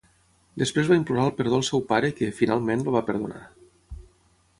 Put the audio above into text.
Després va implorar el perdó al seu pare que, finalment el va perdonar.